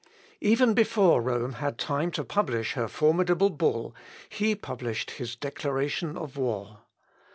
Even before Rome had time to publish her formidable bull, he published his declaration of war.